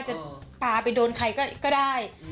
จะปลาไปโดนใครก็ได้